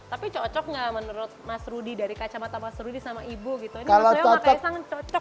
tapi cocok enggak menurut mas rudi dari kacau kecamatan sama ibu gitu